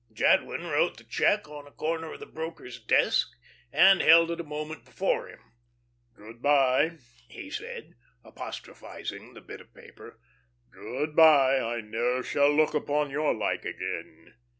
Jadwin wrote the check on a corner of the broker's desk, and held it a moment before him. "Good bye," he said, apostrophising the bit of paper. "Good bye. I ne'er shall look upon your like again."